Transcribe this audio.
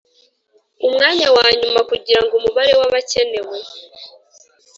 umwanya wa nyuma kugira ngo umubare wabakenewe